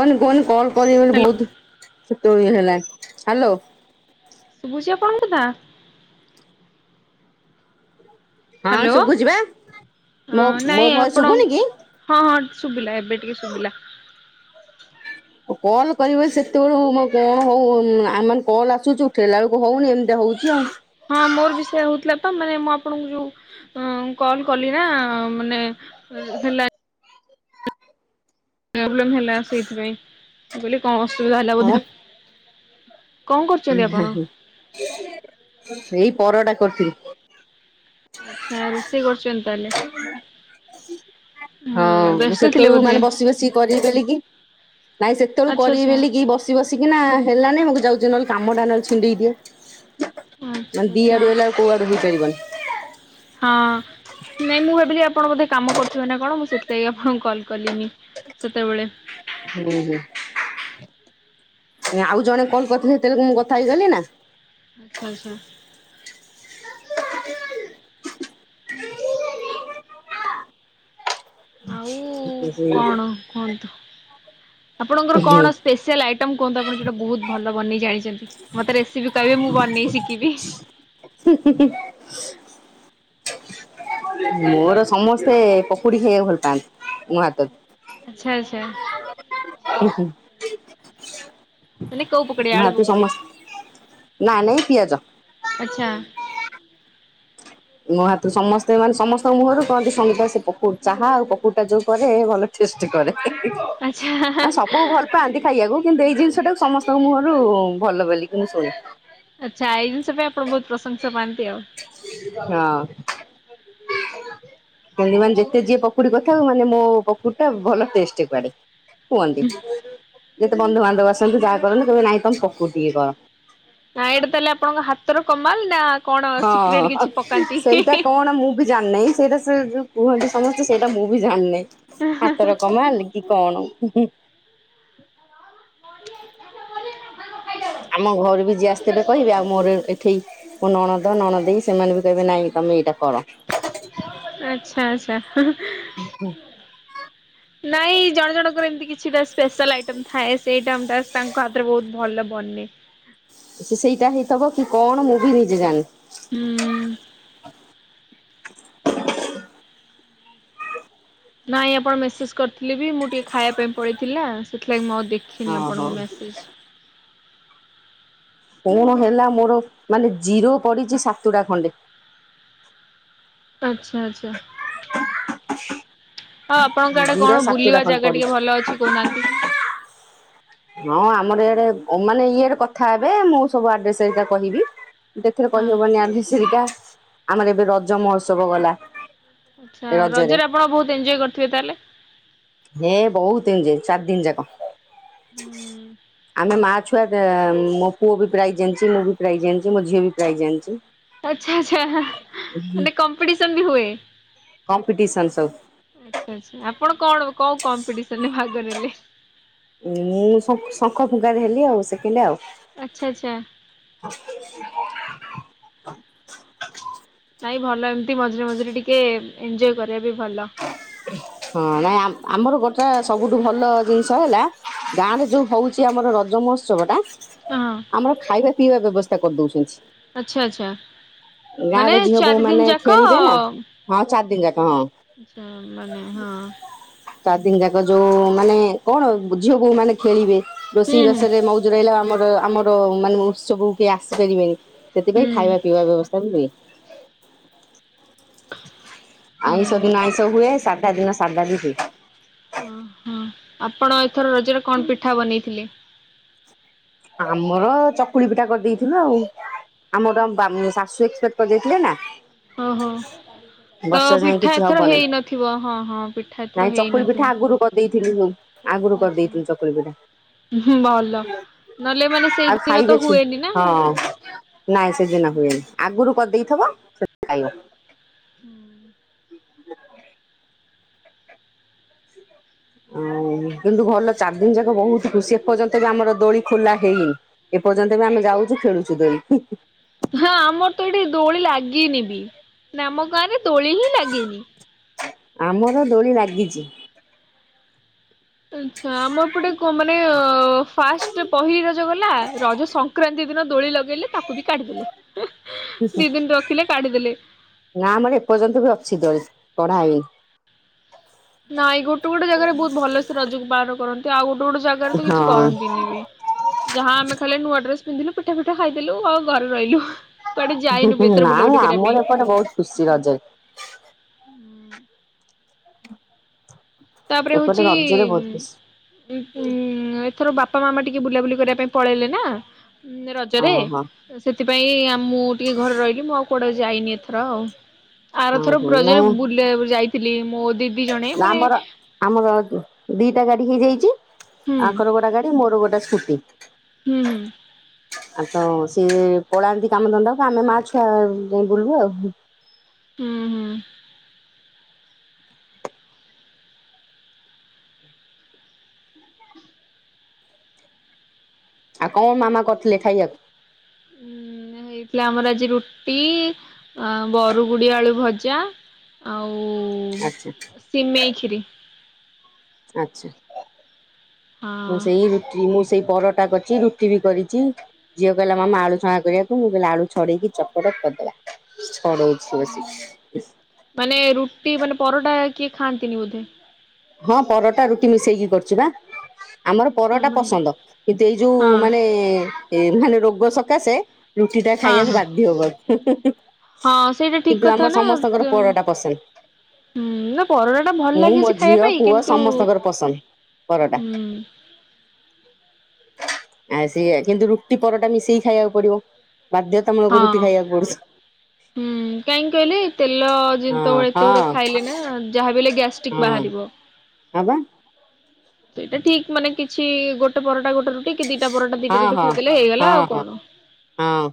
କନି କୁହନି କଲ୍ କରି ହୋଉନି ହ୍ୟାଲୋ ଭଉତୁ। ତୋଳି ହେଲା ହାଲୋ। ଶୁଭୁଚି ଆପଣୁଙ୍କୁ ତା? ହଁ ହାଲୋ ଶୁଭୁଚି ବା। ମୋ ଅଁ ମୋ ନାଇଁ ଭଏସ ଆପଣ ଶୁଭୁନି କି? ହଁ ହଁ। ଶୁବିଲା ଏବେ ଟିକେ ଶୁବିଲା। ଓ କଲ୍ କରିବ ସେତୋଳୁ ମୋ କଣ ହୋଉ ନା ଆ ମାନେ କଲ୍ ଆସୁଚୁ ଉଠେଇଲା ଅଳୁକୁ ହୋଉନେଇ ଏମିତି ହୋଉଚି ଆଉ। ହଁ ମୋର ବି ସେୟା ହୋଉଥୁଲା ପା ମାନେ ମୁଁ ଆପଣଙ୍କୁ ଯୋଉ ଉଁ କଲ୍ କଲି ନାଁ ମାନେ ଅର୍ ହେଲା। ଏବ୍ଲେମ୍ ହେଲା ସେଇଥିପାଇଁ ମୁଁ କଇଲି କଁ ଅସୁବିଧା ହେଲା ବୋଧେ ଆ। ଉଁ ନାଇଁ ହେଇ ପରଟା କରିଥିଲି। ଆଚ୍ଛା ରୋଷେଇ କରୁଛନ୍ତି ତାହେଲେ ହଁ ମୁଁ ବ୍ୟସ୍ତ ଥିଲେ ସେତୋଳୁ ବୋଧେ ମାନେ ବସି ବସିି କରିବି ବୋଲି କି ନାଇଁ ସେତୋଳୁ ଆଚ୍ଛା କରିବି ଆଚ୍ଛା ବେଲିକି ବସି ବସିକିନା ହେଲାନେଇ ମୁ କୁ ଯାଉଚି ନଲେ କାମଟା ନଲେ ଛିଣ୍ଡେଇ ଦିଏ। ମାନେ ଆଚ୍ଛା ଦି ଆଚ୍ଛା ଆଡ଼ୁ ହେଲେ ଆଉ କୋଉ ଆଡ଼ୁ ହେଇ ପାରିବନି। ହଁ ନାଇଁ ମୁଁ ଭାବିଲି ଆ ପଣ ବୋଧେ କାମ କରୁଥୁବେ ନାଁ କଣ ମୁଁ ସେଥିଲାଗି ଆପଣଙ୍କୁ କଲ୍ କଲିନି ସେତେବେଳେ। ହୁଁ ହୁଁ। ଏଁ ଆଉ ଜଣେ କଲ୍ କରିଥିଲେ ହେତେଳୁକୁ ମୁଁ କଥା ହେଇଗଲି ନାଁ। ଆଚ୍ଛା ଆଚ୍ଛା ହୁଁ ଆଉ କଣ କୁହନ୍ତୁ। ଆପଣଙ୍କର କଣ ନା। ସ୍ପେଶିଆଲ୍ ଆଇଟମ୍ କୁହନ୍ତ ଆପଣ ଯୋଉଟା ବୋହୁତ୍ ଭଲ ବନେଇ ଜାଣିଚନ୍ତି। ମତେ ରେସିପି କହିବେ ମୁଁ ବନେଇ ଶିକିବି। ମୋର ସମସ୍ତେ ପକୁଡ଼ି ଖାଇଆକୁ ଭଲ ପାଆନ୍ତି ମୋ ହାତରୁ। ଆଛା ଆଛା। ହ ମାନେ କଉ ପକୁଡ଼ି ଆଳୁ ପକୁଡ଼ି ନା ନାଇଁ ପିଆଜ ଆଛା। ମହାତୁରୁ ସମସ୍ତେ ମାନେ ସମସ୍ତଙ୍କ ମୁହଁରୁ କହନ୍ତି ସନ୍ତୋଷୀ ପକୁଡି ଚାହା ଆଉ ପକୁଡି ଟା ଯୋଉ କରେ ଭଲ ଟେଷ୍ଟି କରେ ଆଚ୍ଛା ନା ସବୁ ଭଲ ପାଆନ୍ତି ଖାଇବାକୁ କିନ୍ତୁ ଏଇ ଜିନିଷଟ ଟାକୁ ସମସ୍ତଙ୍କ ମୁଁହରୁ ଭଲ ବୋଲି କିନ୍ତୁ ଶୁଣେ। ଆଚ୍ଛା ଏଇ ଜିନିଷ ପାଇଁ ଆପଣ ବହୁତ ପ୍ରଶଂସା ପାଆନ୍ତି ଆଉ। ହଁ। [inaudible] କୁଅନ୍ତି ମାନେ ଯେତେ ଯିଏ ପକୁଡି କରିଥାଉ ମାନେ ମୋ ପକୁଡି ଟା ଭଲ ଟେଷ୍ଟ କୁଆଡେ। କୁହନ୍ତି ଯେତେ ବନ୍ଧୁବାନ୍ଧବ ଆସନ୍ତୁ ଯାହା କରନ୍ତୁ କହିବେ ନାଇଁ ତମେ ପକୁଡି ଟିକେ କର। ନା ଏଇଟା ତାହେଲେ ଆପଣଙ୍କ ହାତର କମାଲ ନା କଣ ସିକ୍ରେଟ ହଁ କିଛି ପକାନ୍ତି? ସେଇଟା କଣ ମୁଁ ବି ଜାଣିନେଇଁ ସେଇଟା ସେ ଯୋଉ କୁହନ୍ତି ସମସ୍ତେ ସେଇଟା ମୁଁ ବି ଜାଣିନେଇ ହାତର କମାଲ କି କଣ? ଉଁ। ଖାଇ [inaudible] ଆମ ଘରକୁ ଯିଏ ଆସିଥେବେ କହିବେ ଆଉ ମୋର ଏଠେଇ ମୋ ନଣଦ ନଣଦେଇ ସେମାନେ ବି କହିବେ ନାଇଁ ତମେ ଏଇଟା କର ଆଚ୍ଛା ଆଚ୍ଛା। ହ ହ [inaudible] ନାଇଁ ଜଣ ଜଣଙ୍କର ଏମତି କିଛିଟା ସ୍ପେଶାଲ ଆଇଟମ ଥାଏ ସେଇଟା ମଁ ତା ତାଙ୍କ ହାତରେ ବହୁତ ଭଲ ବନେ [inaudible] ସେ ସେଇଟା ହେଇଥିବ କି କଣ ମୁଁ ବି ନିଜେ ଜାଣିନି । ହୁଁ। ନାଇଁ ଆପଣ ମେସେଜ କରିଥିଲେ ବି ମୁଁ ଟିକେ ଖାଇବା ପାଇଁ ପଳେଇଥିଲି ନା ସେଥିଲାଗି ମୁଁ ଆଉ ଦେ ଦେଖିନି ଓହୋ ଆପଣଙ୍କ ମ୍ୟାସେଜ୍ କଣ ହେଲା ମୋର ମାନେ ଜିରୋ ପଡିଚି ସାତୁଟା ଖଣ୍ଡେ ଆଚ୍ଛା ଆଚ୍ଛା। [inaudible] ହ ଆପଣଙ୍କ ଆଡେ ଜିରୋ କଣ ସାତଟା ବୁଲିବା ଖଣ୍ଡେ ଜାଗା ଟିକେ ପଡିଛି। ଭଲ ଅଛି କହୁନାହାନ୍ତି। ହଁ ଆମର ଇଆଡେ ମାନେ ଇଏରେ କଥା ହେବେ ମୁଁ ସବୁ ଆଡ୍ରେସ ହେରିକା କହିବି। ଏଥେରେ ହଁ କହିହବନି ଆଡ୍ରେସେ ହେରିକା ଆମର ଏବେ ରଜ ମହୋତ୍ସବ ଗଲା ଆଛା ରଜରେ ଆପଣ ବହୁତ ଏଞୟ କରିଥିବେ ତାହେଲେ ହେ ବହୁତ ଏଞୟ ଚାରିଦିନି ଯାକ ଆମେ ମା ଛୁଆ ଛୁଆଟା ମୋ ପୁଅ ବି ପ୍ରାଇଜ୍‌ ଆଣିଚି ମୁଁ ବି ପ୍ରାଇଜ ଆଣିଚି ମୋ ଝିଅ ବି ପ୍ରାଇଜ ଆଣିଚି । ଆଛା ଆଛା ମାନେ କମ୍ପିଟିସନ ବି ହୁଏ। କମ୍ପିଟିସନ ସବୁ ଆଛା ଆଛା ଆପଣ କଣ କଉ କମ୍ପିଟିସନ ରେ ଭାଗ ରେ ନେଲେ ମୁଁ ଶଙ୍କ ଶଙ୍ଖ ଫୁଙ୍କାରେ ହେଲି ଆଉ ସେକେଣ୍ଟ ଆଉ। ଆଛା ଆଛା। ନାଇଁ ଭଲ ଏମିତି ମଝିରେ ମଝିରେ ଟିକେ ଏଞ୍ଜୟ କରିବା ବି ଭଲ। ହଁ ନାଇଁ ଆମ ଆମର ଗୋଟେ ଏଟା ସବୁଠୁ ଭଲ ଜିନିଷ ହେଲା ଗାଁ ରେ ଯୋଉ ହଉଚି ଆମର ରଜ ମହୋତ୍ସବ ଟା ହଁ ଆମର ଖାଇବା ପିଇବା ବ୍ୟବସ୍ଥା କରିଦଉଛନ୍ତି। ଆଛା ଆଛା। ମାନେ ଗାଁରେ ଝିଅ ବୋହୂ ଚାରି ମାନେ ଦିନ ଯାକ ଖେଳିବେ ନା ହଁ ଚାରି ଦିନ ଯାକ ହଁ ତ ମାନେ ହଁ। ଚାରିଦିନ ଯାକ ଯୋଉ ମାନେ କଣ ଝିଅ ବୋହୁମାନେ ଖେଳିବେ ରୋଷେଇ ହୁଁ ବାସରେ ମଉଜୁ ରହିଲା ଆମର ଆମର ମାନେ ମହୋତ୍ସବ କୁ କେହି ଆସିପାରିବେନି। ହୁଁ ସେଥିପାଇଁ ଖାଇବା ପିଇବା ବ୍ୟବସ୍ଥା ବି ହୁଏ। ହୁଁ ଆଇଁଷ ହୁଁ। ଦିନ ଆଇଁଷ ହୁଏ ସାଧା ଦିନ ସାଧା ବି ହୁଏ। ଓହୋ ଆପଣ ଏଥର ରଜରେ କଣ ପିଠା ବନେଇଥିଲେ? ଆମର ଚକୁଳି ପିଠା କରିଦେଇଥିଲୁ ଆଉ ଆମର ଆମ ଶାଶୁ ଏକ୍ସ କରିଦେଇଥିଲେ ନା ହଁ ହଁ। ତ ବର୍ଷା ଯାଏ ପିଠା କିଛି ହବ ଏଥର ନାହିଁ ହେଇନଥିବ ହଁ ହଁ ପିଠା ଏଥର ନାଇଁ ଚକୁଳି ପିଠା ହେଇନଥିବ। ଆଗରୁ କରିଦେଇଥିଲୁ ଆଗରୁ କରିଦେଇଥିଲୁ ଚକୁଳି ପିଠା। ହୁଁ ଭଲ। ନହେଲେ ମାନେ ଆଉ ସେଇଦିନ ତ ଖାଇବେି ହୁଏନି ସିଏ ନା ହଁ ନାଇଁ ସେଦିନ ହୁଏ। ଆଗରୁ କରିଦେଇଥିବ ସେ ଖାଇବ। ହୁଁ। [unintelligible] ଓ କିନ୍ତୁ ଘର ଚାରି ଦିନ ଯାକ ବହୁତ ଖୁସି ଏପର୍ଯ୍ୟନ୍ତ ବି ଆମର ଦୋଳି ଖୋଲା ହେଇନି। ପର୍ଯ୍ୟନ୍ତ ବି ଆମେ ଯାଉଛୁ ଖେଳୁଛୁ ଦୋଳି। ହଁ ଆମର ତ ଏଇଠି ଦୋଳି ଲାଗିନି ବି। ନାମ ଗାଁରେ ତୋଳି ହିଁ ଲାଗେନି। ଆମର ଦଡୋଳି ଲାଗିଛି। ଆଛା ଆମପଟେ ମାନେ ଫାଷ୍ଟ ପହିଲି ରଜ ଗଲା ରଜ ସଂକ୍ରାନ୍ତି ଯେଉଁ ଦିନ ଦୋଳି ଲଗେଇଲେ ତାକୁ ବି କାଢିଦେଲେ ଦିଦିନ ରଖିଲେ ତାକୁବି କାଢିଦେଲେ। ନା ଆମର ଏପର୍ଯ୍ୟନ୍ତ ବି ଅଛି ଦୋଳି କଢା ହେଇନି। ନାଇଁ ଗୋଟେ ଗୋଟେ ଜାଗାରେ ବହୁତ ଭଲସ ରଜକୁ ପାଳନ କରନ୍ତି ଆଉ ଗୋଟେ ଗୋଟେ ଗୋଟେ ଜାଗାରେ ହଁ। ତ କିଛି କରନ୍ତିନି ବି ଯାହା ଆମେ ଖାଲି ନୂଆ ଆଡ୍ରେ ପିନ୍ଧିଲୁ ପିଠା ପିଠା ଖାଇଦେଲୁ ଆଉ ଘରେ ରହିଲୁ। କୁଆଡେ ଯାଇନୁ ବି ଏଥର ନାଇଁ ବୁଲାବୁଲି କରିବା ଆମର ପାଇଁ। ଏପଟେ ବହୁତ ଖୁସି ରଜରେ। ତାପରେ ଏପଟେ ହଉଛି ରଜରେ ବହୁତ ଖୁସି। ଉଁ ପୁମ ଏଥର ବାପା ମାମା ଟିକେ ବୁଲାବୁଲି କରିବା ପାଇଁ ପଳେଇଲେ ନା ରଜରେ ଓହୋ ସେ ସେଥିପାଇଁ ମୁଁ ଟିକେ ଘରେ ରହିଲି ମୁଁ ଆଉ କୁଆଡେ ଯାଇନି ଏଥର ଆଉ। ଆର ଥର ଓହୋ ବଜରେ ନାଇଁ ବୁଲିକୁ ଯାଇଥିଲି ମୋ ଦିଦି ଜଣେ ମାନେ ଆମର ଆମର ଦିଟା ଗାଡି ହେଇଯାଇଛି ହୁଁ ଆଙ୍କର ଗୋଟେ ଗାଡି ମୋର ଗୋଟେ ସ୍କୁଟି। ହୁଁ ହୁଁ। ଆଉ କଣ ସିଏ ପଳାନ୍ତି କାମ ଧଦାକୁ ଆମେ ମା ଛୁଆ ଯାଇ ବୁଲୁ ଆଉ। ହୁଁ ହୁଁ। ଆଉ କଣ ମାମା କରିଥିଲେ ଖାଇବାକୁ? ହୁଁ। ହେଇଥିଲା ଆମର ଆଜି ରୁଟି ବରୁଗୁଡି ଆଳୁ ଭଜା ଆଚ୍ଛା ଆଉ ସିମେଇ ଖିରି। ଆଛା ହଁ ମୁଁ ସେ ରୁଟି ମୁସେ ସେଇ ପରଟା କରିଛି ରୁଟି ବି କରିଛି ଝିଅ କହିଲା ମାମା ଆଳୁ ଛଣାଁ କରିବାକୁ ମୁଁ କହିଲି ଆଳୁ ଛଡେଇକି ଚକଟ କରିଦବା। ଛଡଉଛି ବସିକି ମାନେ ରୁଟି ମାନେ ପରଟା କିଏ ଖାଆନ୍ତିନି ବୋଧେ? ହଁ ପରଟା ରୁଟି ମିଶେଇକି କରୁଛୁ ପା। ଆମର ଆଛା ପରଟା ମାନେ ପସନ୍ଦ କିନ୍ତୁ ଏଇ ଯୋଉ ହଁ ମାନେ ମାନେ ରୋଗ ସକାଶେ ରୁଟି ଟା ହଁ ଖାଇବାକୁ ହଁ ବାଧ୍ୟ କରୁ ହଁ ସେଇଟା ଠିକ କିନ୍ତୁ କଥା ଆମର ନା ସମସ୍ତଙ୍କର ପରୋରଟା ପସନ୍ଦ। ହୁଁ ନା ପରଡ଼ା ଟା ଭଲ ମୁଁ ମୋ ଲାଗେଯେ ଖାଇବା ଝିଅ ପାଇଁ। ପୁଅ କିନ୍ତୁ ସମସ୍ତଙ୍କର ପସନ୍ଦ ପରଟା। ହୁଁ। ଆ ସେଇଆ କିନ୍ତୁ ରୁଟି ପରଟା ମିଶେଇ ଖାଇବାକୁ ପଡିବ। ବାଧ୍ୟତାମୂଳକ ହଁ ରୁଟି ଖାଇବାକୁ ପଡୁଛି ହୁଁ କାହିଁକି କହିଲେ? ତେଲ ହଁ ଯେଳେ ହଁ ଏତେ ଗୁଡ ଖାଇଲେ ନା ଯାହା ବଲେ ଗ୍ୟାଷ୍ଟ୍ରିକ ବାହାରିବ ଆବା ଏଇଟା ଠିକ ମାନେ କିଛି ଗୋଟେ ପରଟା ଗୋଟେ ରୁ ଟି କି ଦିଟା ପରଟା ଦିଟା ହଁ ରୁଟି ହଁ। ଖାଇଦେଲେ ହେଇଗଲା ହଁ ଆଉ ହଁ କଣ ହଁ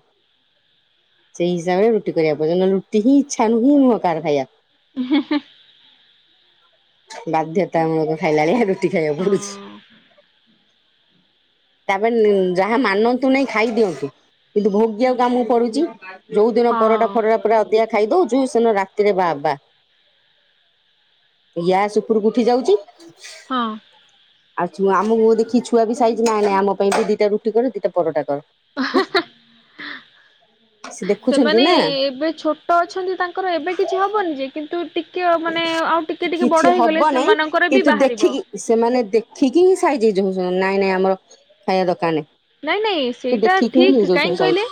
ସେଇ ହିସାବରେ ରୁଟି କରିବା ପାଇ ନ ରୁଟି ହିଁ ଇଛା ନୁହଁ କହାର ଖାଇବା ହେଁ ହେଁ ବାଧ୍ୟତାମୂଳକ ଖାଇଲାଣି ରୁଟି ଖାଇବା ପଡୁଛି ହଁ ତାପରେ ନି ଯାହା ମାନନ୍ତୁ ନାଇଁ ଖାଇଦିଅନ୍ତିୁ କିନ୍ତୁ ଭୋଗି ଆଉ ଆମକୁ ପଡୁଛି ଯୋଉ ଦିନ ପରଟା ହଁ ଫରଟା ପୁରା ଅଧିକା ଖାଇଦଉଚୁ ସେ ଦିନ ରାତିରେ ବାବା ୟା ସୁଖରକୁ ଉଠି ଯାଉଛି ହଁ ଆଉ ଛୁଆ ଆମକୁ ଦେଖି ଛୁଆ ବି ସାଇଜ ନହେଲେ ଆମ ପାଇଁ ବି ଦିଟା ରୁଟି କର ଦିଟା ପରଟା କର ହିସି [inaudible] ସେମାନେ ଏ ଏବେ ଛୋଟ ଅଛନ୍ତି ତାଙ୍କର ଏବେ କିଛି ହବନି ଯେ କିନ୍ତୁେ ଟି କିଛି ହବ ନାହିଁ ସେମାନଙ୍କର ବି କିନ୍ତୁ ବାହାରିବ ଦେଖିକି ସେମାନେ ଦେଖିକି କି ସାଇଛି ନାଇଁ ନାଇଁ ଆମର ଖାଇବା ଦକା ନାହିଁ ନାଇଁ ନାଇଁ ସେ ସେଇଟା ଦେଖିକି ହିଁ ଠିକ କାଇହିଁ ହେଇଯାଉଛନ୍ତି ସାଇଜ କହିଲେ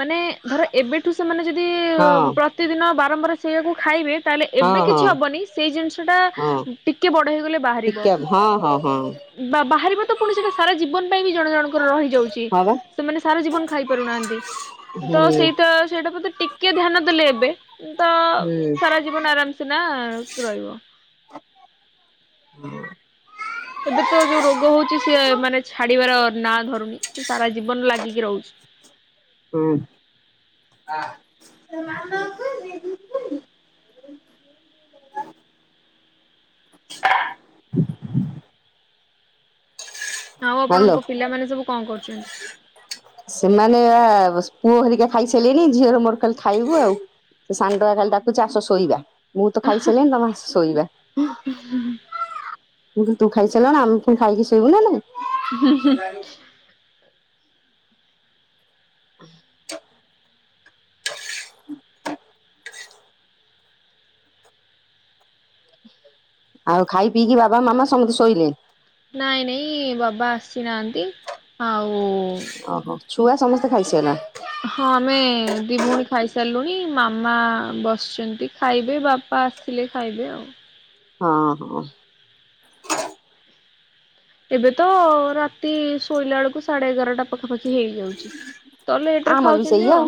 ମାନେ ଧର ଏବେଠୁ ସେମାନେ ଯଦି ହଁ ପ୍ରତିଦିନ ବାରମ୍ବାର ସେଇଆକୁ ଖାଇବେ ତାହେଲେ ଏବେ ହଁ କିଛି ହଁ ହବନି ସେଇ ଜିନିଷ ଟା ହଁ ଟିକେ ବଡ ହେଇଗଲେ ବାହାରିବ ଟିକେ ହଁ ହଁ ହଁ ବା ବାହାରିବ ତ ପୁଣି ସେଇଟା ସାରା ଜୀବନ ପାଇଁ ବି ଜଣ ଜଣ ରହି ଯାଉଛି ହଁ ବା ସେମାନେ ସାରା ଜୀବନ ଖାଇ ପାରୁନାହାନ୍ତି ହୁଁ ତ ସେଇଟା ସେଇଟା ମତେ ଟିକେ ଧ୍ୟାନ ଦେଲେ ଏବେ ତ ହୁଁ ସାରା ଜୀବନ ଆରାମ ସିନା ରହିବ ହୁ ଏବେ ତ ଯୋଉ ରୋଗ ହଉଛି ସିଏ ମାନେ ଛାଡିବାର ନାଁ ଧରୁନି ସେ ସାରା ଜୀବନ ଲାଗିକି ରହୁଛି [inaudible] ହଁ ଆ ତୋ ମାମା କୁ କହିବି ଯି କହିବି [inaudible] [inaudible] ଆଉ ଆପଣଙ୍କ ହ୍ୟାଲୋ ପିଲାମାନେ ସବୁ କଣ କରୁଛନ୍ତି? ସେମାନେ ଆ ପୁଅ ଘରିକା ଖାଇସାରିଲେଣି ଝିଅର ମୋର ଖାଲି ଖାଇବୁ ଆଉ ସେ ସାନ ଟୋକା କାଲି ତାକୁଚି ଆସ ଶୋଇବା ମୁଁ ତ ଖାଇସାରିଲିଣିି ତମେ ଶୋଇବା [inaudible] ତୁ ଖାଇସିଲୁ ଆମେ ପୁଣି ଖାଇକି ଶୋଇବୁ ନା ନାଇ ହିଁ ହିଁ [inaudible] ଆଉ ଖାଇ ପିଇକି ବାବା ମାମା ସମସ୍ତେ ଶୋଇଲେ ନାଇଁ ନାଇଁ ବାବା ଆସିନାହାନ୍ତି ଆଉ ଓହୋ ଛୁଆ ସମସ୍ତେ ଖାଇସାଇଲ ହଁ ଆମେ ଦି ଭଉଣୀ ଖାଇସାରିଲୁଣି ମାମା ବସିଛନ୍ତି ଖାଇବେ ବାପା ଆସିଲେ ଖାଇବେ ଆଉ ହଁ ହଁ ଏବେ ତ ରାତି ଶୋଇଲା ବେଳକୁ ସାଢେ ଏଗାରଟା ପାଖାପାଖି ହେଇଯାଉଛି ତଲେ ଏଠରେ ଆମର ବି ଖାଉଛନ୍ତି ସେଇଆ ଆଉ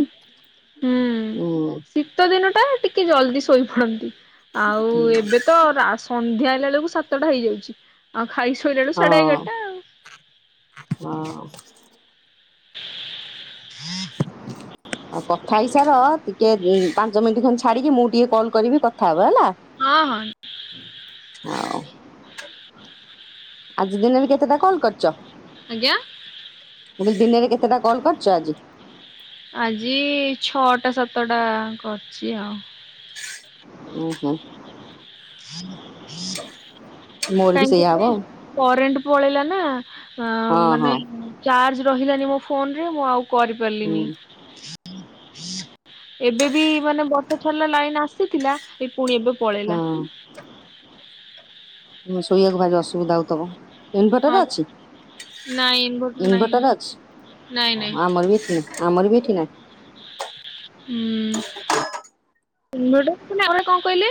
ହୁଁ ହୁଁ। ଶୀତ ଦିନଟା ଟିକେ ଜଲଦି ଶୋଇପଡନ୍ତି ଆଉ ଏବେ ତ ରା ସନ୍ଧ୍ୟା ହେଲା ବେଳକୁ ସାତଟା ହେଇଯାଉଛି ଆଉ ଖାଇ ଶୋଇଲାଳୁ ସାଢେ ହଁ ଏଗାରଟା ଆଉ ହଁ। [inaudible] ଆଉ କଥା ହେଇସାର ଟିକେ ଉ ପାଞ୍ଚ ମିନିଟ୍ ଖଣ୍ଡ ଛାଡିକି ମୁଁ ଟିକେ କଲ କରିବି କଥାହବ ହେଲା ହଁ ହଁ ହଉ ଆଜି ଦିନରେ କେତେଟା କଲ କରଛ? ଆଜ୍ଞା ଦିନରେ କେତେଟା କଲ କରିଛ ଆଜି? ଆଜି ଛଅଟା ସାତଟା କରଛି ଆଉ । ଓ ହୋ । ହଁ ମୋର ବି ସେଇଆ ହବ ହଁ [inaudible] କରେଣ୍ଟ ପଳେଇଲା ନା, ଆଉ ହଁ ମାନେ ଚାର୍ଜ ରହିଲାନି ମୋ ଫୋନରେ, ମୁଁ ଆଉ ହଁ ହୁଁ କରିପାରିଲିନି । ଏବେ ବି ମାନେ ବର୍ଷା ଛାଡିଲା, ଲାଇନ ଆସିଥିଲା! ପୁଣି ଏବେ ପଳେଇଲା। ହଁ। ଶୋଇବାକୁ ଭାରି ଅସୁବିଧା ହଉଥବ, ହଁ ଇନଭଟର ଅଛି? ନାଇଁ ନାହିଁ ଇନଭଟର ଅଛି, ନାଇଁ ନାଇଁ ଆମର ବି ଆମର ବି [unintelligible] ହୁଁ! କଣ କହିଲେ?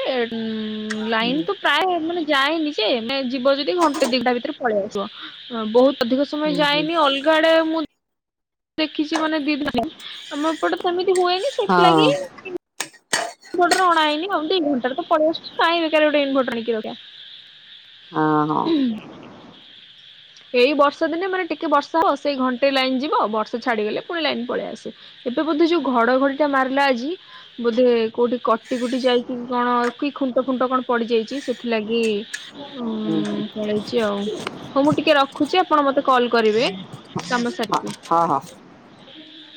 ଲାଇନ ତ ପ୍ରାୟ ମାନେ ଯାଏନି, ଯେ ଯିବ ଯଦି! ଘଣ୍ଟେ ଦିଟା ଭିତରେ ପଳେଇ ଆସିବ, ବହୁତ ଅଧିକ ସମୟ ହୁଁ ହୁଁ ଯାଇନି, ଅଲଗା ଆଡେ ମୁଁ ଦେଖିଛି ମାନେ ଦିଦ, ଆମ ଏପଟ ସେମିତି ହୁଏନି ହଁ ସେଥିଲାଗି ଇଭୋଟର ଅଣାହେଇନି, ନ ଆଉ ଦି ଘଣ୍ଟା ରେ ତ ପଲେଇ ଆସୁଛି, କାଇଁ ଗୋଟେ ଇନଭର୍ଟର ଆଣିକି ର ହଁ-ହ! [unintelligible] ଏଇ ବର୍ଷା ଦିନେ ମାନେ ଟିକେ ବର୍ଷା ହବ, ସେଇ ଘଣ୍ଟେ ଲାଇନ ଯିବ, ବର୍ଷା ଛାଡିଗଲେ ପୁଣି ଲାଇନ ପଳେଇ ଆସ। ଏବେ ବୋଧେ ଯୋଉ ଘଡଘଡି ଟା ମାରିଲା, ଆଜି ବୋଧେ କୋଉଠି କଟି-କୁଟି ଯାଇକି କଣ, କି ଖୁଣ୍ଟ-ଖୁଣ୍ଟ କଣ ପଡିଯାଇଛି, ସେଥିଲାଗି ହୁଁ, ପଳେଇଛି ଆଉ, ହଉ ମୁଁ ଟିକେ ରଖୁଛି, ଆପଣ ମତେ କଲ କରିବେ। ହଁ ହଁ ହଁ। [unintelligible]